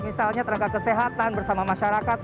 misalnya tenaga kesehatan bersama masyarakat